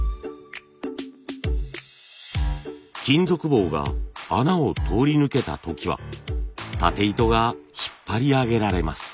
金属棒が穴を通り抜けた時はたて糸が引っ張り上げられます。